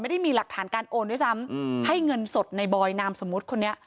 ไม่ได้มีหลักฐานการโอนด้วยซ้ำให้เงินสดในบอยนามสมมุติคนนี้